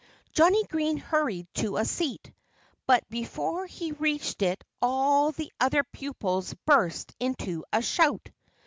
Johnnie Green hurried to a seat. But before he reached it all the other pupils burst into a shout.